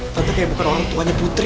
contoh kayak bukan orang tuanya putri